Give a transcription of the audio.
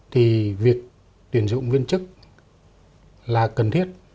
thì việc tuyển dụng viên chức là cần thiết